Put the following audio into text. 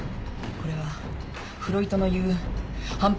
これはフロイトのいう反復強迫。